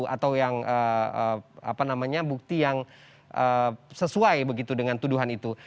atau yang bukti yang sesuai begitu dengan tuduhan itu